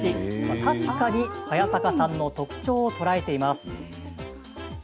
確かに早坂さんの特徴を捉えています。